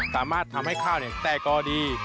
สามารถทำให้ข้าวแตกกอดี